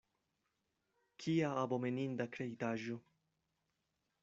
Kia abomeninda kreitaĵo!